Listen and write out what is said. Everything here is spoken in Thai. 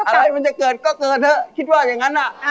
อะไรมันจะเกิดก็เกิดเถอะคิดว่าอย่างนั้น